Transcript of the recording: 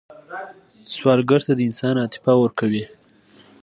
سوالګر ته د انسان عاطفه ورکوئ